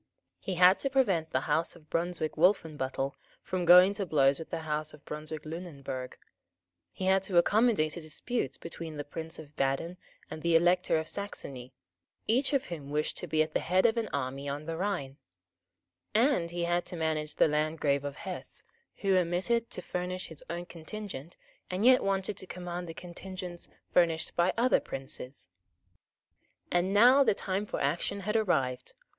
He had to prevent the House of Brunswick Wolfenbuttel from going to blows with the House of Brunswick Lunenburg; he had to accommodate a dispute between the Prince of Baden and the Elector of Saxony, each of whom wished to be at the head of an army on the Rhine; and he had to manage the Landgrave of Hesse, who omitted to furnish his own contingent, and yet wanted to command the contingents furnished by other princes. And now the time for action had arrived.